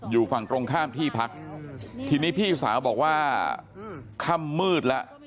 อยู่ฝั่งตรงข้ามที่พักทีนี้พี่สาวบอกว่าค่ำมืดแล้ว